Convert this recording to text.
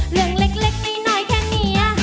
เรื่องเล็กน้อยแค่นี้